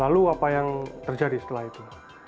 lalu apa yang terjadi setelah itu